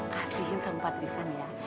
kasihin sama patrisan ya